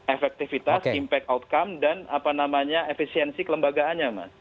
efektivitas impact outcome dan apa namanya efisiensi kelembagaannya mas